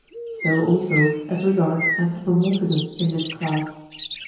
So also as regards anthropomorphism in this class.